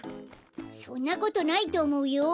そんなことないとおもうよ。